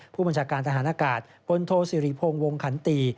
ผู้บัญชาการทหารอากาศพลโทสิริพงศ์วงขันตี